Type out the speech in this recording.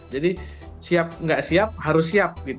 jadi siap nggak siap harus siap